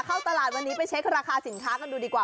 เข้าตลาดวันนี้ไปเช็คราคาสินค้ากันดูดีกว่า